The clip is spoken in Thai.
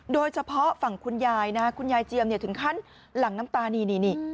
โดยเฉพาะฝั่งคุณยายนะคุณยายเจียมเนี่ยถึงขั้นหลังน้ำตานี่นี่